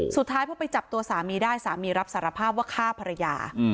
สุดท้ายพอไปจับตัวสามีได้สามีรับสารภาพว่าฆ่าภรรยา